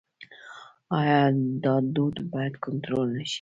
آیا دا دود باید کنټرول نشي؟